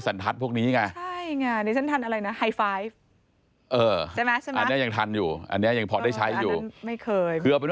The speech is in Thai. สันทัศน์พวกนี้ไงใช่ไงเดี๋ยวฉันทันอะไรนะไฮไฟฟ์